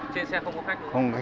trên xe không có khách